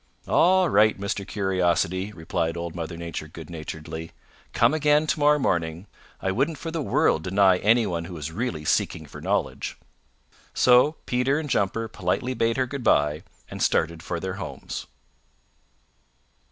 "All right, Mr. Curiosity," replied Old Mother Nature good naturedly, "come again to morrow morning. I wouldn't for the world deny any one who is really seeking for knowledge." So Peter and Jumper politely bade her good by and started for their homes.